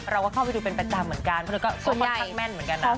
เราก็เข้าไปดูเป็นปัจจังเหมือนกัน